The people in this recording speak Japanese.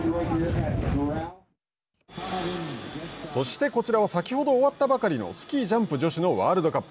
そして、こちらは先ほど終わったばかりのスキージャンプ女子のワールドカップ。